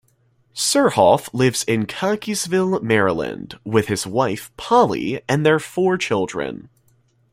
Surhoff lives in Cockeysville, Maryland with his wife Polly and their four children.